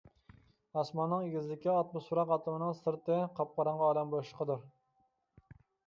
ئاسماننىڭ ئېگىزلىكى ئاتموسفېرا قاتلىمىنىڭ سىرتى قاپقاراڭغۇ ئالەم بوشلۇقىدۇر.